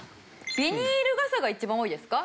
ビニール傘が一番多いですか？